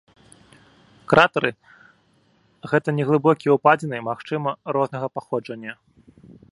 Кратары гэта неглыбокія ўпадзіны, магчыма, рознага паходжання.